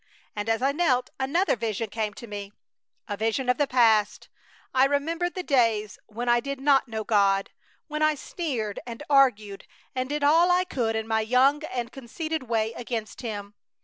And as I knelt another vision came to me, a vision of the past! I remembered the days when I did not know God; when I sneered and argued and did all I could in my young and conceited way against Him.